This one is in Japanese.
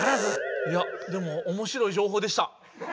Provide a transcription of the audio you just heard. いやでもおもしろい情報でした。